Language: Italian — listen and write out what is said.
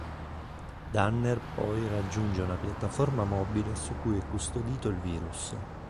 Danner poi raggiunge una piattaforma mobile su cui è custodito il virus.